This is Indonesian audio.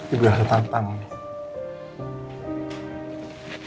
ibu elsa tanda tangan